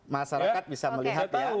masyarakat bisa melihat ya